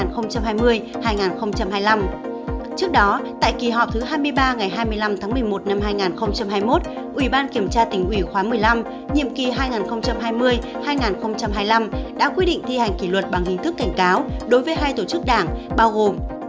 trước đó tại kỳ họp thứ hai mươi ba ngày hai mươi năm tháng một mươi một năm hai nghìn hai mươi một ủy ban kiểm tra tỉnh ủy khóa một mươi năm nhiệm kỳ hai nghìn hai mươi hai nghìn hai mươi năm đã quy định thi hành kỷ luật bằng hình thức cảnh cáo đối với hai tổ chức đảng bao gồm